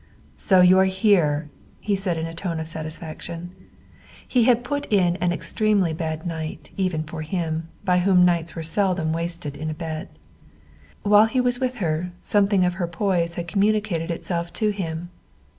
"So you are here!" he said in a tone of satisfaction. He had put in an extremely bad night, even for him, by whom nights were seldom wasted in a bed. While he was with her something of her poise had communicated itself to him.